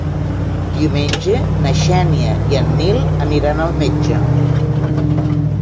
Diumenge na Xènia i en Nil aniran al metge.